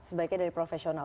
sebaiknya dari profesional